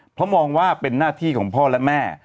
เพราะมองว่าเป็นหน้าที่ของพ่อและแม่